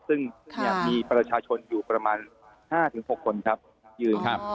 ซึ่งมีประชาชนอยู่ประมาณ๕๖คนครับยืน